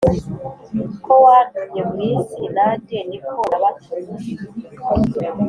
Uko wantumye mu isi nanjye ni ko nabatumye